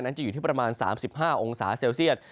จะอยู่ที่ประมาณ๓๕องศาเซลเซียต